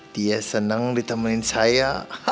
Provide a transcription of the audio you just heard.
dia seneng ditemenin saya